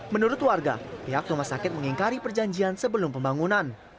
menurut warga pihak rumah sakit mengingkari perjanjian sebelum pembangunan